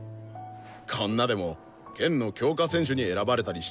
こんなでも県の強化選手に選ばれたりしてたんですよ。